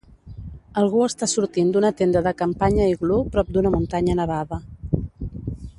Algú està sortint d'una tenda de campanya iglú prop d'una muntanya nevada.